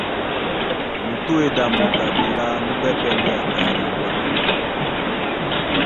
Mutúedi a motoi abilá núpɛ́pɛ̄ ndé a tá a ɗaŋwanɛ mɔ́.